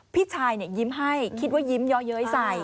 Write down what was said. พี่ชายยิ้มให้คิดว่ายิ้มเยอะเย้ยใส่